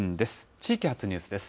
地域発ニュースです。